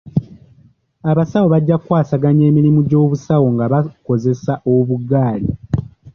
Abasawo bajja ku kwasaganya emirimu gy'obusawo nga bakozesa obuggaali.